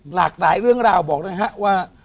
หลากหลายเรื่องราวบอกนะฮะว่า